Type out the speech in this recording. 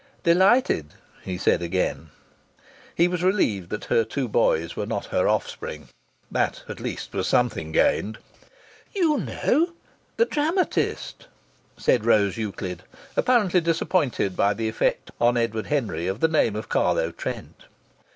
"Delighted!" he said again. He was relieved that her two boys were not her offspring. That, at least, was something gained. "You know the dramatist," said Rose Euclid, apparently disappointed by the effect on Edward Henry of the name of Carlo Trent.